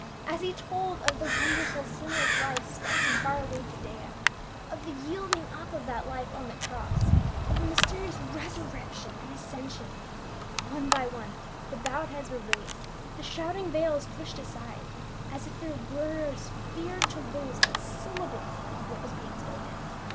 As he told the story of the wonderful sinless life spent in far away Judoea, of the yielding up of that life on the cross, of the mysterious resurrection and ascension, one by one the bov/ed heads were raised, the shroud ing veils pushed aside, as if their wearers feared to lose a syllable of what was being spoken.